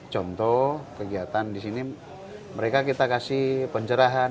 contoh kegiatan di sini mereka kita kasih pencerahan